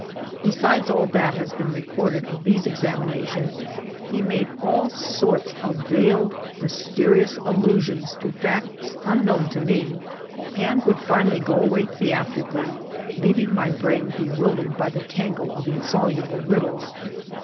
Besides all that has been recorded of these examinations, he made all sorts of veiled, mysterious allusions to facts unknown to me, and would finally go away theatrically, leaving my brain bewildered by the tangle of insoluble riddles.